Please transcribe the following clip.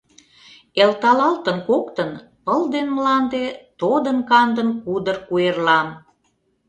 Элталалтын коктын, Пыл ден мланде Тодын кандын Кудыр куэрлам.